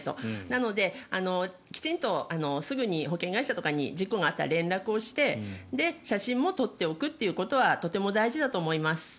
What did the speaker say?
なので、きちんとすぐに保険会社とかに事故があった連絡をして写真も撮っておくということはとても大事だと思います。